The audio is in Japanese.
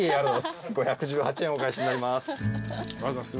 ５１８円お返しになります。